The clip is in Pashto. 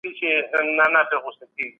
دوی په ریاضیاتو او انجینرۍ کې ډېر پیاوړي دي.